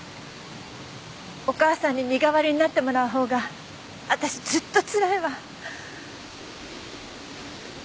お母さんに身代わりになってもらう方が私ずっとつらいわ。